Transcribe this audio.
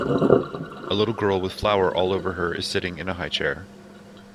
A little girl with flour all over her sitting in a highchair.